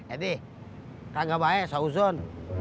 edi kagak baik sauzun